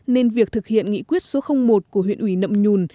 nên việc thực hiện nghị quyết số một của huyện ủy nậm nhùn